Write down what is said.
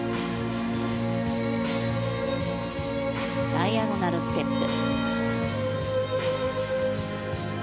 ダイアゴナルステップ。